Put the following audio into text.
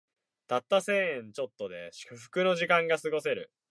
たった千円ちょっとで至福の時がすごせる